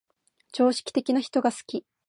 常識的な人が好き